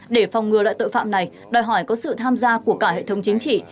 để phòng ngừa loại tội phạm này đòi hỏi có sự tham gia của cả hệ thống chính trị